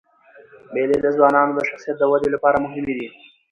مېلې د ځوانانو د شخصیت د ودي له پاره مهمي دي.